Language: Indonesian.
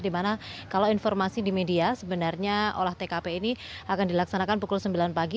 dimana kalau informasi di media sebenarnya olah tkp ini akan dilaksanakan pukul sembilan pagi